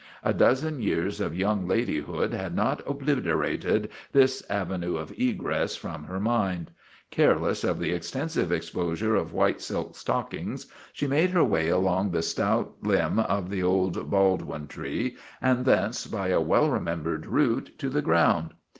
A dozen years of young ladyhood had not obliterated this avenue of egress from her mind. Careless of the extensive exposure of white silk stockings she made her way along the stout limb of the old Bald win tree and thence, by a well remembered route, to the ground.